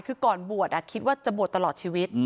คือก่อนบวชคิดว่าจะบวชตลอดชีวิต